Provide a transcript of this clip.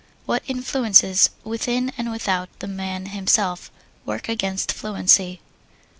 What influences, within and without the man himself, work against fluency?